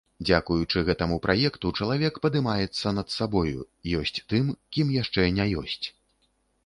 Дзякуючы гэтаму праекту чалавек падымаецца над сабою, ёсць тым, кім яшчэ не ёсць.